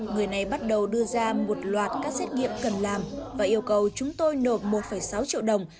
người này bắt đầu đưa ra một loạt các xét nghiệm cần làm và yêu cầu chúng tôi nộp một sáu triệu đồng